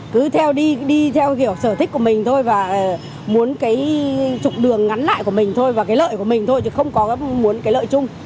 cứ theo đi theo kiểu sở thích của mình thôi và muốn cái trục đường ngắn lại của mình thôi và cái lợi của mình thôi thì không có muốn cái lợi chung